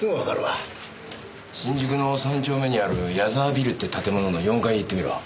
新宿の三丁目にある矢沢ビルって建物の４階へ行ってみろ。